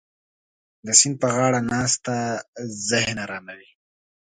د سیند په غاړه ناسته ذهن اراموي.